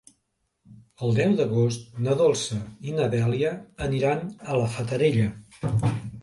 El deu d'agost na Dolça i na Dèlia aniran a la Fatarella.